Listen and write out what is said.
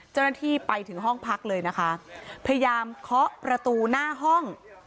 เจ้าหน้าที่ไปถึงห้องพักเลยนะคะพยายามเคาะประตูหน้าห้อง